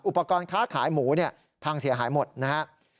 อุปกรณ์ค้าขายหมูพังเสียหายหมดนะครับ